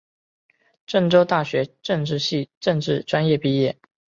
郑州大学政治系政治专业毕业。